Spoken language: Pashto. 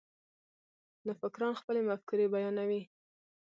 نوفکران خپلې مفکورې بیانوي.